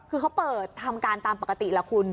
คือเขาเปิดทำการตามปกติล่ะคุณ